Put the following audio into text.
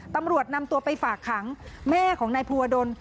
ตำรวจนำตัวไปฝากขังแม่ของนายภูวดล